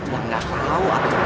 ya nggak tahu arief